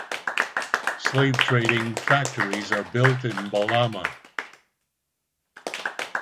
Slave trading factories are built in Bolama.